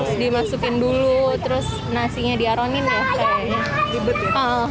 terus dimasukin dulu terus nasinya diaronin ya kayaknya